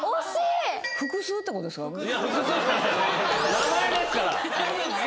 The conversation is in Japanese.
名前ですから。